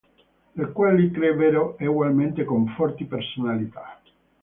Le quali crebbero egualmente con forti personalità.